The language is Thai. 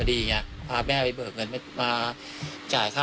เสียบ่ได้ก็และกฉริก